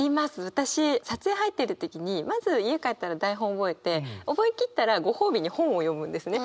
私撮影入ってる時にまず家帰ったら台本覚えて覚え切ったらご褒美に本を読むんですね。